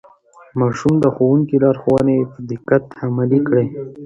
ماشوم د ښوونکي لارښوونې په دقت عملي کړې